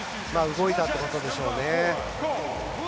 動いたってことでしょうね。